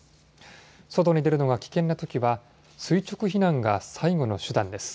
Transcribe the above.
外に出るのが危険なときは垂直避難が最後の手段です。